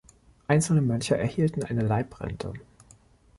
Einzelne Mönche erhielten eine Leibrente.